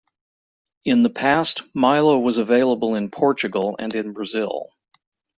In the past Milo was available in Portugal and in Brazil.